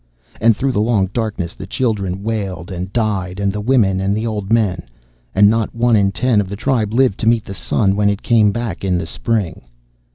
And through the long darkness the children wailed and died, and the women, and the old men; and not one in ten of the tribe lived to meet the sun when it came back in the spring.